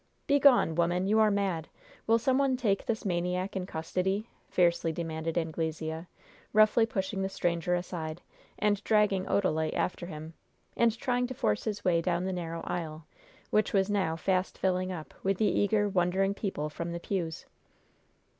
"Begone, woman! You are mad! Will some one take this maniac in custody?" fiercely demanded Anglesea, roughly pushing the stranger aside, and dragging Odalite after him, and trying to force his way down the narrow aisle, which was now fast filling up with the eager, wondering people from the pews.